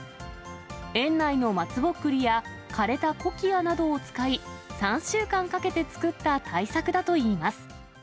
園内の松ぼっくりや枯れたコキアなどを使い、３週間かけて作った大作だといいます。